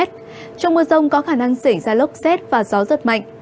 trong mưa rông có khả năng xảy ra lốc xét và gió rất mạnh